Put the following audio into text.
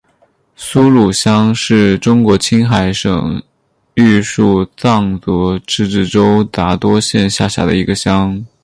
苏鲁乡是中国青海省玉树藏族自治州杂多县下辖的一个乡。